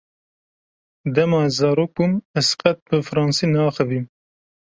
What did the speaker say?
Dema ez zarok bûm ez qet bi fransî neaxivîm.